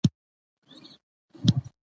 او میر اکبر خیبری